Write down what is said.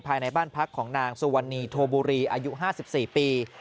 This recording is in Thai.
ภายในบ้านพักของนางสุวรรณีโทบุรีอายุ๕๔ปี